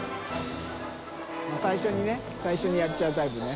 發能蕕砲最初にやっちゃうタイプね。